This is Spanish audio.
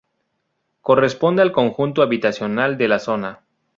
Corresponde al conjunto habitacional de la zona.